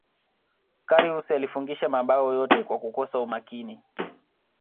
karius alifungisha mabao yote kwa kukosa umakini